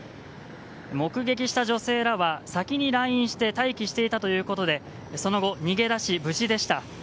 目撃した女性らは、先に来院して待機していたということでその後、逃げ出し無事でした。